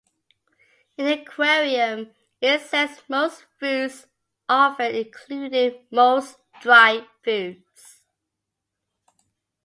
In the aquarium, it accepts most foods offered, including most dry foods.